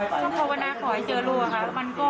ท่านพระพุทธนาขอให้เจอลูกค่ะมันก็